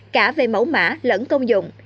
cả về mẫu mã lẫn công dụng